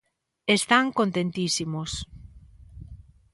Están contentísimos.